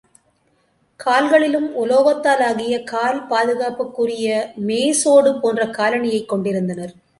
கால்களிலும் உலோகத்தாலாகிய கால் பாதுகாப்புக்குரியமேசோடு போன்ற காலணியைக் கொண்டிருந்தனர்.